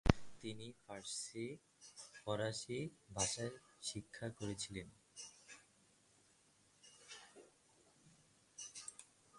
তিনি ফরাসি ভাষা শিক্ষা করেছিলেন।